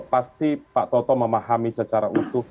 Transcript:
pasti pak toto memahami secara utuh